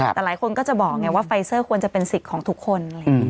แต่หลายคนก็จะบอกไงว่าไฟซัรควรจะเป็นสิทธิ์ของทุกคน